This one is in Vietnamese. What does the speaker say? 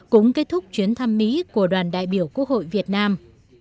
cũng kết thúc chuyến thăm mỹ của đoàn đại biểu quốc hội việt nam